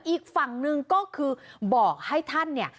อีกฝั่งหนึ่งก็คือบอกให้ท่านเนี่ย